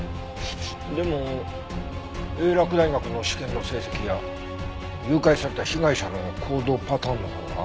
でも英洛大学の試験の成績や誘拐された被害者の行動パターンのほうは？